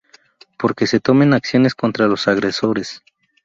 porque se tomen acciones contra los agresores